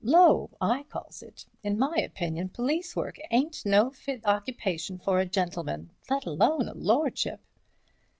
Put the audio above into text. "Low, I calls it. In my opinion, police work ain't no fit occupation for a gentleman, let alone a lordship."